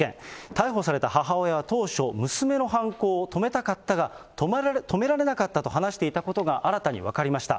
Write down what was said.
逮捕された母親は当初、娘の犯行を止めたかったが、止められなかったと話していたことが新たに分かりました。